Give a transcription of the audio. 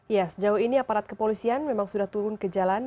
ya sejauh ini aparat kepolisian memang sudah turun ke jalan